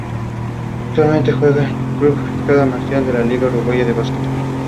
No puede deducirse sin embargo, cual sería el macho y cual la hembra.